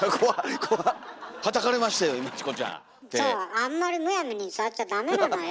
あんまりむやみに触っちゃダメなのよ。